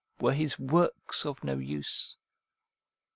Were his works of no use